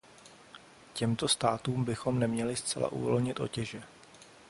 Těmto státům bychom neměli zcela uvolnit otěže.